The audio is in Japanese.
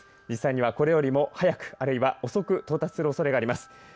実際にはこれよりも早く、あるいは遅く到達するおそれがります。